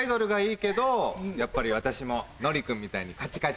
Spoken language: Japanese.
やっぱり私ものり君みたいに。